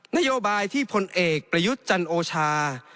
นโยบายที่พลเอกประยุทธ์จันโอชา